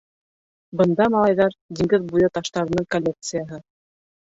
— Бында, малайҙар, диңгеҙ буйы таштарының коллекцияһы.